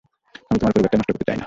আমি তোমার পরিবারটা নষ্ট করতে চাই না।